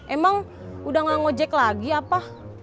emang udah enggak nge ojek lagi apa